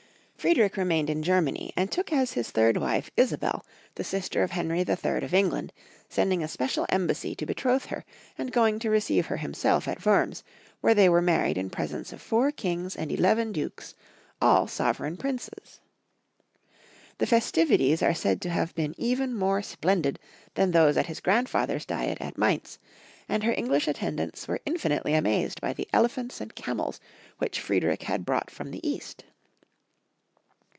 Friediich remained in Germany, and took as his third wife, Isabel, the sister of Henry III. of Eng land, sending a splendid embassy to betroth her, and going to receive her himself at Wurms, where they were married in presence of four kings and eleven dukes, all sovereign princes. The festivities are said to have been even more splendid than those at his grandfather's diet at Mainz, and her English attendants were infinitely amazed by the elephants and camels which Friedrich had brought from the East.